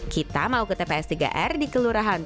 kita mau ke tps tiga r di kelurahan